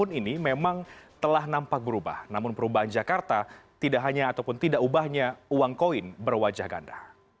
namun perubahan jakarta tidak hanya ataupun tidak ubahnya uang koin berwajah ganda